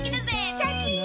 シャキン！